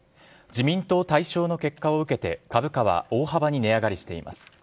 自民党大勝の結果を受けて、株価は大幅に値上がりしています。